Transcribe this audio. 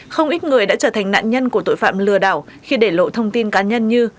không ít người đã trở thành nạn nhân của tội phạm lừa đảo khi để lộ thông tin cá nhân như